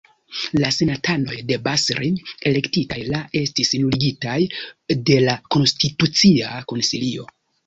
La senatanoj de Bas-Rhin elektitaj la estis nuligitaj la de la Konstitucia Konsilio.